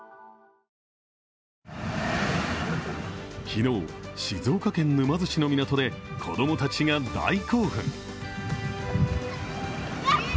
昨日、静岡県沼津市の港で子供たちが大興奮。